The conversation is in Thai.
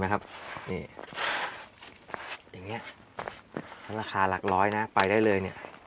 ราคาหลังร้อยไปได้เลย